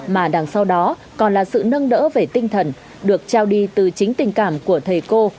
mà đằng sau đó còn là sự nâng đỡ về tinh thần được trao đi từ chính tình cảm của thầy cô